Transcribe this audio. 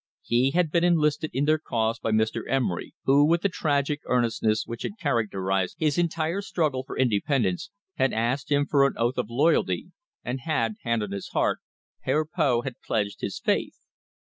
He had been enlisted in their cause by Mr. Emery, who, with the tragic earnestness which had characterised his entire struggle for independence, had asked him for an oath of loyalty, and, hand on his heart, Herr Poth had pledged his faith.